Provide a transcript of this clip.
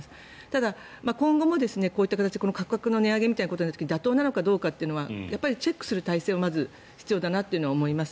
ただ、今後もこういった形で価格の値上げみたいなことが妥当なのかどうかはチェックする体制がまず必要だなというのを思います。